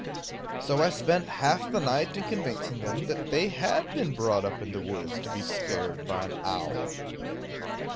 So I spent half the night in convincing them that they had been brought up in the woods to be scared by an owl.